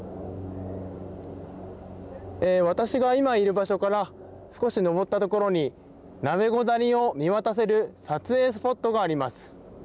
私が今いる場所から少し登った所にナメゴ谷を見渡せる撮影スポットがあります。